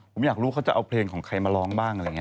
ผมอยากรู้เขาจะเอาเพลงของใครมาร้องบ้าง